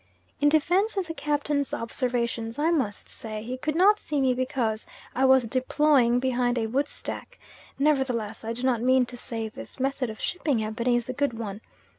In defence of the captain's observations, I must say he could not see me because I was deploying behind a woodstack; nevertheless, I do not mean to say this method of shipping ebony is a good one.